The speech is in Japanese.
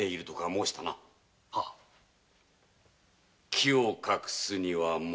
木を隠すには森。